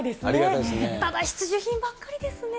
ただ必需品ばっかりですね。